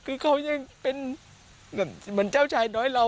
คือเขายังเป็นเหมือนเจ้าชายน้อยเรา